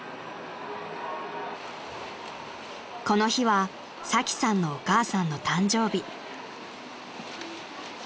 ［この日はサキさんのお母さんの誕生日］